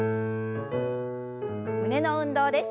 胸の運動です。